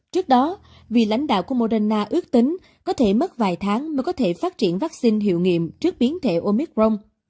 trước đó vì lãnh đạo của moderna ước tính có thể mất vài tháng mới có thể phát triển vaccine hiệu nghiệm trước biến thể omicron